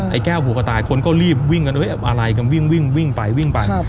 ไอ้แก้วผัวคอตายคนก็รีบวิ่งกันเอ๊ะอะไรกันวิ่งวิ่งไป